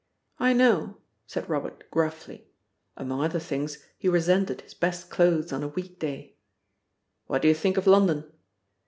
"I know," said Robert gruffly. Among other things, he resented his best clothes on a week day. "What do you think of London?"